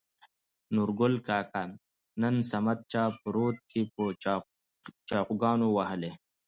نورګل کاکا : نن صمد چا په رود کې په چاقيانو ووهلى.